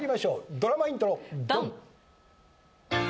ドラマイントロドン！